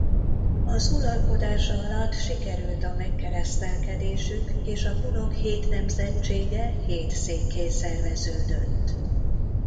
Az uralkodása alatt sikerült a megkeresztelkedésük és a kunok hét nemzetsége hét székké szerveződött.